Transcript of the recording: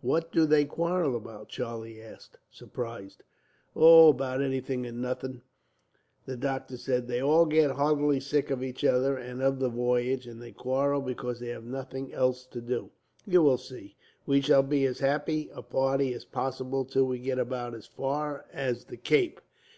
"What do they quarrel about?" Charlie asked, surprised. "Oh, about anything or nothing," the doctor said. "They all get heartily sick of each other, and of the voyage, and they quarrel because they have nothing else to do. You will see, we shall be as happy a party as possible till we get about as far as the Cape.